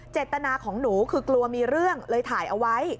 เจตนาของหนูคือกลัวมีเรื่องเลยถ่ายเอาไว้